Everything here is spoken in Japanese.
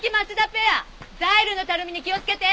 ペアザイルのたるみに気をつけて！